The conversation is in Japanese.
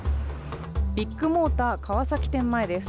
ビッグモーター川崎店前です。